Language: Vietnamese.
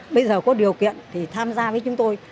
bây giờ có điều kiện thì tham gia với chúng tôi